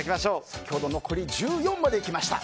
先ほど残り１４までいきました。